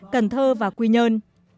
cần thơ và quy nhơn